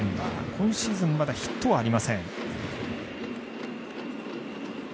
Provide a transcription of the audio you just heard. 今シーズン、まだヒットはありません。